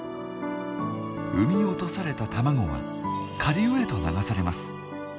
産み落とされた卵は下流へと流されます。